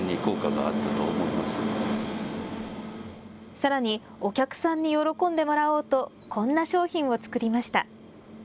さらにお客さんに喜んでもらおうとこんな商品を作りました。